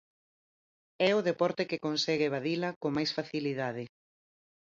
É o deporte que consegue evadila con máis facilidade.